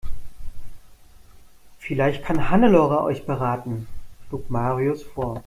Vielleicht kann Hannelore euch beraten, schlug Marius vor.